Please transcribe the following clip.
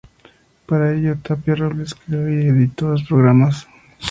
Para ello, Tapia Robles creó y editó los programas.